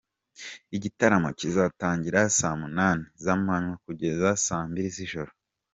Igitaramo kizatangira saa munani z’amanywa kugeza saa mbili z’ijoro.